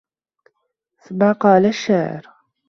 مَا قَالَ الشَّاعِرُ